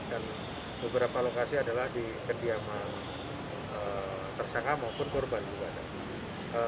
dan beberapa lokasi adalah di kediaman tersangka maupun korban ibadah